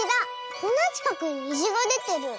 こんなちかくににじがでてる。